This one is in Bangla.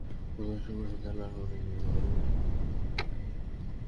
গতকাল শুক্রবার সন্ধ্যায় লাশ ময়নাতদন্তের জন্য মানিকগঞ্জ সদর হাসপাতালের মর্গে পাঠায় পুলিশ।